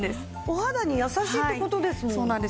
お肌に優しいって事ですもん。